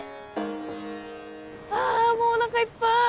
あもうお腹いっぱい！